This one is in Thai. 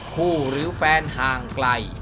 หรือแฟนห่างไกล